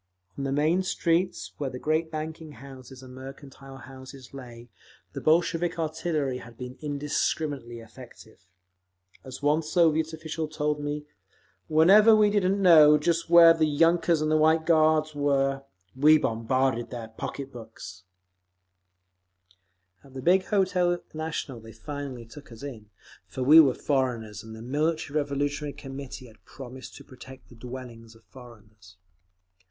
On the main streets, where the great banking houses and mercantile houses lay, the Bolshevik artillery had been indiscriminately effective. As one Soviet official told me, "Whenever we didn't know just where the yunkers and White Guards were, we bombarded their pocketbooks…." At the big Hotel National they finally took us in; for we were foreigners, and the Military Revolutionary Committee had promised to protect the dwellings of foreigners….